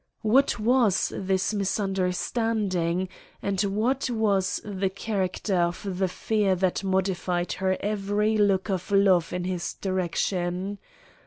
What was this misunderstanding? and what was the character of the fear that modified her every look of love in his direction?